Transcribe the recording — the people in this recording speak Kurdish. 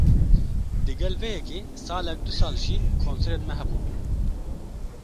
Digel vê yekê, salek du sal jî konserên me hebûn